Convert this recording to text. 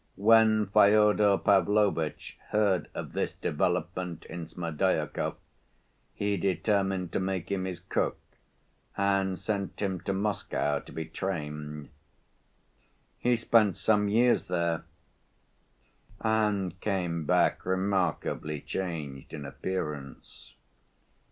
When Fyodor Pavlovitch heard of this development in Smerdyakov he determined to make him his cook, and sent him to Moscow to be trained. He spent some years there and came back remarkably changed in appearance.